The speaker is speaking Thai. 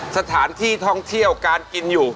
สถานที่ท่องเที่ยวการกินอยู่